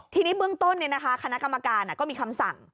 ทีนี้เบื้องต้นคณะกรรมการก็มีคำสั่ง